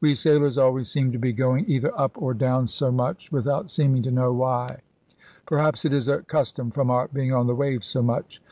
We sailors always seem to be going either up or down so much, without seeming to know why. Perhaps it is a custom from our being on the waves so much.